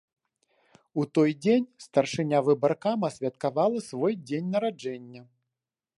У той дзень старшыня выбаркама святкавала свой дзень нараджэння.